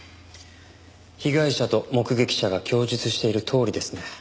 被害者と目撃者が供述しているとおりですね。